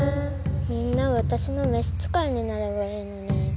みんなわたしのめしつかいになればいいのに。